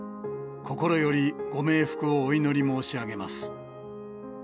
心よりご冥福をお祈り申し上げます。